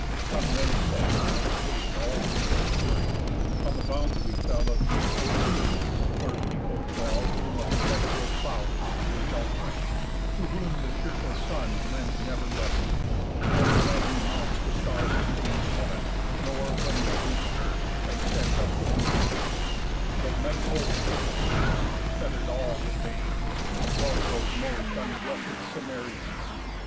Sun then set, and shade All ways obscuring, on the bounds we fell Of deep Oceanus, where people dwell Whom a perpetual cloud obscures outright, To whom the cheerful sun lends never light, Nor when he mounts the star sustaining heaven, Nor when he stoops earth, and sets up the even, But night holds fix'd wings, feather'd all with banes, Above those most unblest Cimmerians.